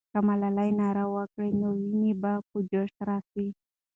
که ملالۍ ناره وکړي، نو ويني به په جوش راسي.